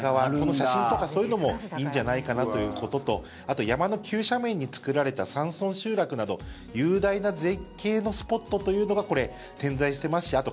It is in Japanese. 写真とか、そういうのもいいんじゃないかなということとあと山の急斜面に作られた山村集落など雄大な絶景のスポットというのが点在してますしあと